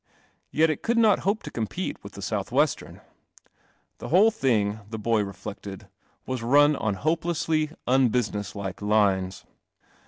Yet it could not hope to compete with the South Western. The whole thing, the boy reflected, was run on hopelessly unbusiness like lines.